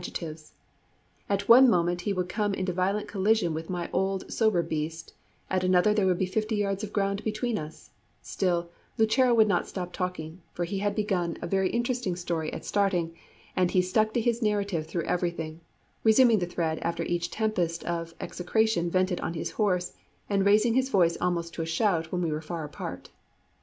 At one moment he would come into violent collision with my old sober beast, at another there would be fifty yards of ground between us; still Lucero would not stop talking, for he had begun a very interesting story at starting, and he stuck to his narrative through everything, resuming the thread after each tempest of execration vented on his horse, and raising his voice almost to a shout when we were far apart.